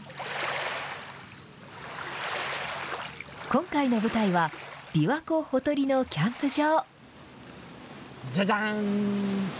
今回の舞台は、琵琶湖ほとりのキャンプ場。